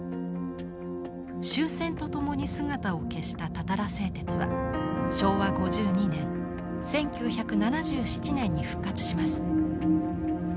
終戦とともに姿を消したたたら製鉄は昭和５２年１９７７年に復活します。